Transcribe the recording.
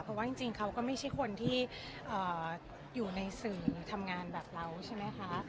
เพราะว่าจริงเขาก็ไม่ใช่คนที่อยู่ในสื่อทำงานแบบเราใช่ไหมคะ